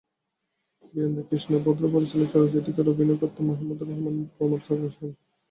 বীরেন্দ্রকৃষ্ণ ভদ্র পরিচালিত চলচ্চিত্রটিতে অভিনয় করেন মাহমুদুর রহমান এবং প্রমদাচরণ সেন।